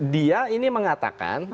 dia ini mengatakan